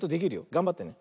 がんばってね。